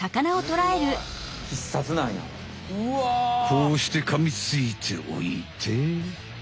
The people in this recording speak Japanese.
こうしてかみついておいて。